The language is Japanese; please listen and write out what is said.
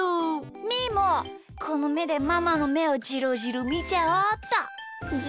みーもこのめでママのめをじろじろみちゃおうっと。